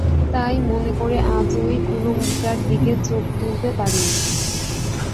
তাই মনে করে আজ ঐ কুলুঙ্গিটার দিকে চোখ তুলতে পারি নে।